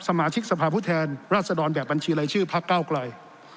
สมาชิกสภาพผู้แทนราชดรแบบบัญชีรายชื่อพักเก้าไกล